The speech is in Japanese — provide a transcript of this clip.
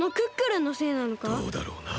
どうだろうな？